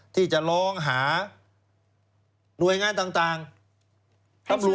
ที่จะลองหาหน่วยงานต่างครับรวม